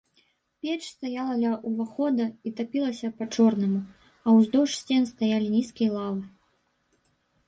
Печ стаяла ля ўвахода і тапілася па-чорнаму, а ўздоўж сцен стаялі нізкія лавы.